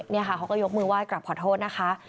เขาก็ยกมือไหว้กลับขอโทษนะคะ